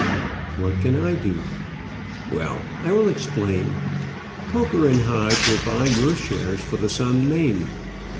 "What can I do?" "Well, I will explain. Poker & Hodge will buy your shares for the sum named.